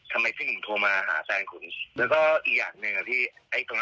๒หมื่นครับที่เค้าเรียกมา